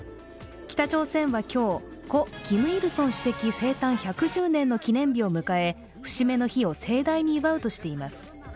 北朝鮮は今日、故キム・イルソン主席生誕１１０年の記念日を迎え節目の日を盛大に祝うとしています。